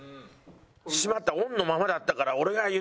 しまったオンのままだったから俺が言う。